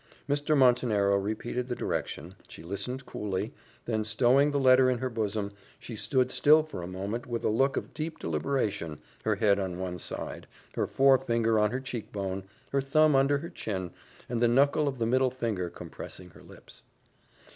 Mr. Montenero repeated the direction she listened coolly, then stowing the letter in her bosom, she stood still for a moment with a look of deep deliberation her head on one side, her forefinger on her cheek bone, her thumb under her chin, and the knuckle of the middle finger compressing her lips.